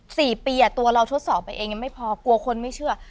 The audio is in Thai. สี่ปีอ่ะตัวเราทดสอบไปเองยังไม่พอกลัวคนไม่เชื่อ